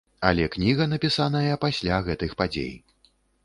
Але кніга напісаная пасля гэтых падзей.